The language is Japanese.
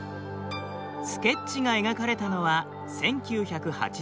スケッチが描かれたのは１９８２年。